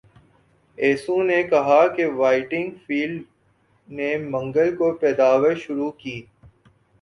ایسو نے کہا کہ وائٹنگ فیلڈ نے منگل کو پیداوار شروع کی